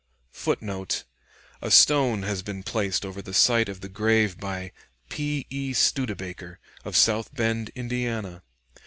[Footnote: A stone has been placed over the site of the grave "by P. E. Studebaker, of South Bend, Indiana."